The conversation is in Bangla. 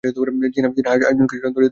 জ্বি-না, আয়োজন কিছুনা, দরিদ্র মানুষ।